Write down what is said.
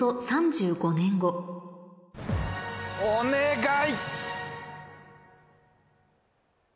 お願い！